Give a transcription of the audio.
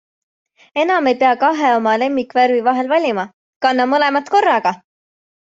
Enam ei pea kahe oma lemmikvärvi vahel valima - kanna mõlemat korraga!